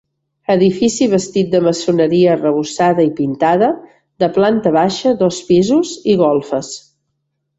Edifici bastit de maçoneria arrebossada i pintada, de planta baixa, dos pisos i golfes.